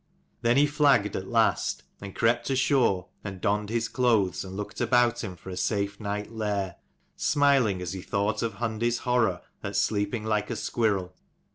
Then he flagged at last, and crept ashore, and donned his clothes, and looked about him for a safe night lair ; smiling as he thought of Hundi's horror at sleeping like a squirrel.